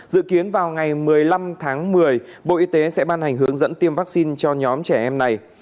dự kiến vào ngày một mươi năm tháng một mươi bộ y tế sẽ ban hành hướng dẫn tiêm vaccine cho nhóm trẻ em này